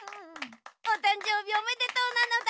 おたんじょうびおめでとうなのだ。